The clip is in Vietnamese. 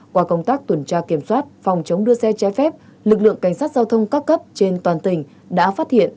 qua công tác tuần tra kiểm soát phòng chống đua xe trái phép lực lượng cảnh sát giao thông các cấp trên toàn tỉnh đã phát hiện